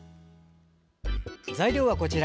材料は、こちら。